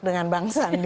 dengan bang sandi